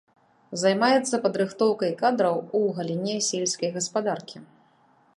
Займаецца падрыхтоўкай кадраў у галіне сельскай гаспадаркі.